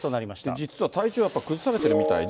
実は体調やっぱり崩されてるみたいで。